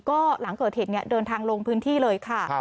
ก็หลังเกิดเหตุเดินทางลงพื้นที่เลยค่ะ